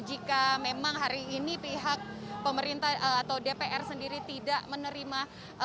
jika memang hari ini pihak pemerintah atau dpr sendiri tidak menerima